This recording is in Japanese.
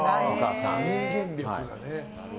人間力がね。